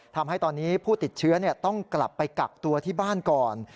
ทำให้ตอนนี้ผู้ติดเชื้อต้องกลับไปกักตัวที่บ้านก่อน